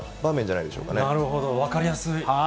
なるほど、分かりやすい。